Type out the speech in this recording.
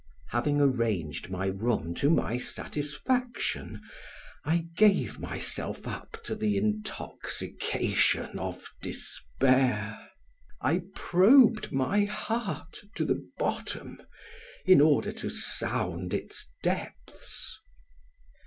Having arranged my room to my satisfaction I gave myself up to the intoxication of despair. I probed my heart to the bottom in order to sound its depths.